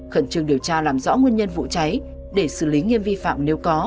khẩn trương điều tra làm rõ nguyên nhân vụ cháy để xử lý nghiêm vi phạm nếu có